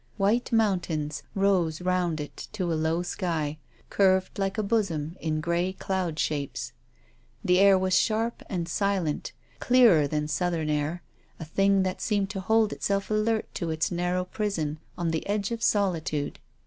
White mountains rose round it to a low sky, curved, like a bosom, in grey cloud shapes. The air was sharp and silent, clearer than southern air, a thing that seemed to hold itself alert in its narrow prison on the edge of solitude.